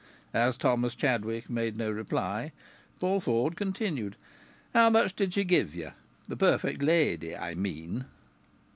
As Thomas Chadwick made no reply, Paul Ford continued: "How much did she give you the perfect lady, I mean?"